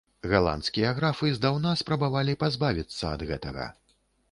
Галандскія графы здаўна спрабавалі пазбавіцца ад гэтага.